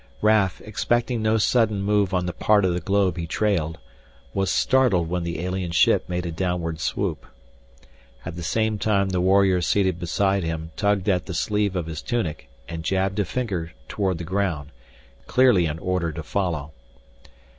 Raf, expecting no sudden move on the part of the globe he trailed, was startled when the alien ship made a downward swoop. At the same time the warrior seated beside him tugged at the sleeve of his tunic and jabbed a finger toward the ground, clearly an order to follow.